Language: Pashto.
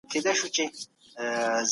زه په پاکوالي کولو بوخت یم.